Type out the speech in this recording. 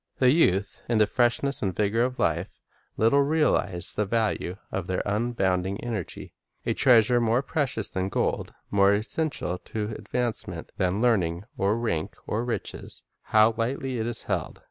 The youth, in the freshness and vigor of life, little realize the value of their abounding energy. A treasure more precious than gold, more essential to advancement than learning or rank or riches, — how lightly it is held